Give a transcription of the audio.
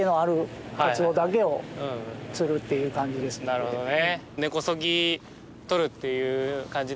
なるほどね。